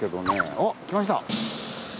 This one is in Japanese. あっ来ました。